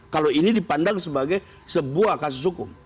kalau ini dipandang sebagai sebuah kasus hukum